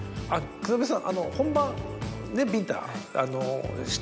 草笛さん